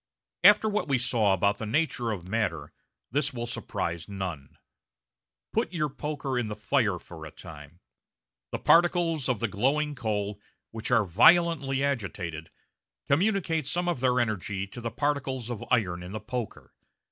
After what we saw about the nature of matter, this will surprise none. Put your poker in the fire for a time. The particles of the glowing coal, which are violently agitated, communicate some of their energy to the particles of iron in the poker.